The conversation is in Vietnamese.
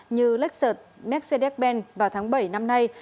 như lexus mercedes benz vào tháng bảy năm nay